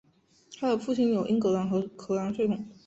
她的父亲有英格兰和荷兰血统。